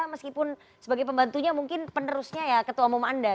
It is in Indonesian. meskipun sebagai pembantunya mungkin penerusnya ya ketua umum anda